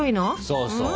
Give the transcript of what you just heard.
そうそう。